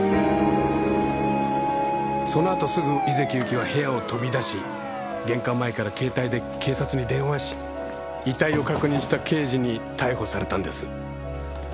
そのあとすぐ井関ゆきは部屋を飛び出し玄関前から携帯で警察に電話し遺体を確認した刑事に逮捕されたんです。